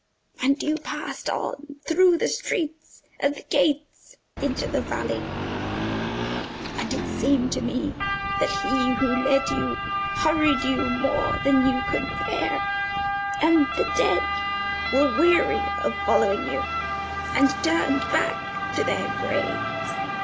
And you passed on through the streets and the gates into the valley, and it seemed to me that he who led you hurried you more than you could bear, and the dead were weary of following you, and turned back to their graves.